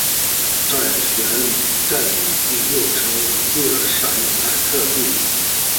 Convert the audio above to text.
但旋即又攻掠山南各地。